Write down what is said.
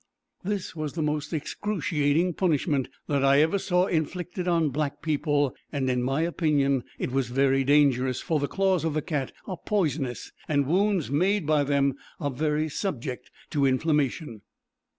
This was the most excruciating punishment that I ever saw inflicted on black people, and, in my opinion, it is very dangerous; for the claws of the cat are poisonous, and wounds made by them are very subject to inflammation.